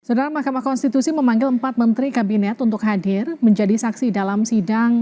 saudara mahkamah konstitusi memanggil empat menteri kabinet untuk hadir menjadi saksi dalam sidang